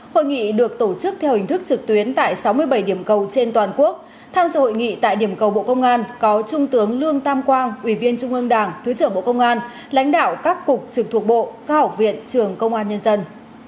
hội nghị được tổ chức theo hình thức trực tuyến tại sáu mươi bảy điểm cầu trên toàn quốc tham dự hội nghị tại điểm cầu bộ công an có trung tướng lương tam quang ủy viên trung ương đảng thứ trưởng bộ công an lãnh đạo các cục trực thuộc bộ các học viện trường công an nhân dân